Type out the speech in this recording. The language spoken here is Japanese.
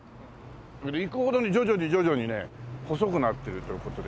行くほどに徐々に徐々にね細くなってるという事で。